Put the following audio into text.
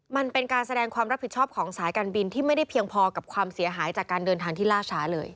มันเป็นการแสดงความรับผิดชอบของสายการบินที่ไม่ได้เพียงพอกับความเสียหายจากการเดินทางที่ล่าช้าเลย